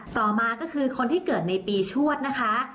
ต่อมาก็คือคนที่เกิดในปีชวดนะคะ